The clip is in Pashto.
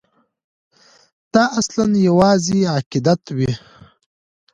دا اصلاً یوازې عقیدت وي.